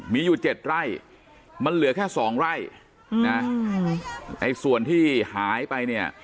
มีอยู่เจ็ดไร่มันเหลือแค่สองไร่นะไอ้ส่วนที่หายไปเนี่ย